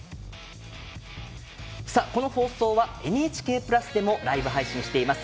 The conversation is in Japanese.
この放送はＮＨＫプラスでもライブ配信しています。